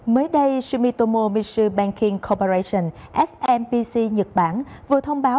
mới đây sumitomo mitsu banking corporation smpc nhật bản vừa thông báo